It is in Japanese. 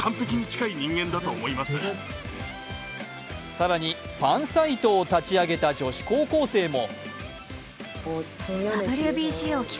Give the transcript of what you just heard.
更にファンサイトを立ち上げた女子高校生も。